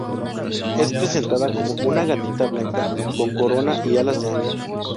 Es presentada como una gatita blanca, con corona y alas de ángel.